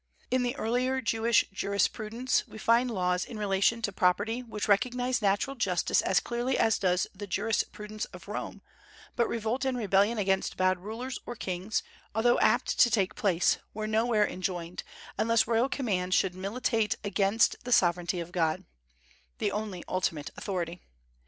In the earlier Jewish jurisprudence we find laws in relation to property which recognize natural justice as clearly as does the jurisprudence of Rome; but revolt and rebellion against bad rulers or kings, although apt to take place, were nowhere enjoined, unless royal command should militate against the sovereignty of God, the only ultimate authority.